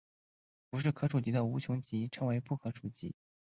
不是可数集的无穷集称为不可数集。